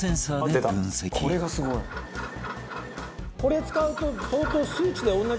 「これがすごい」これ使うと相当。